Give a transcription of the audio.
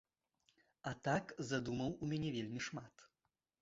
А так задумаў у мяне вельмі шмат.